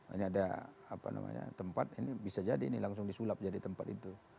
ini ada tempat ini bisa jadi ini langsung disulap jadi tempat itu